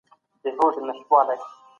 ایا پس انداز په تولید کي کارول ګټور دي؟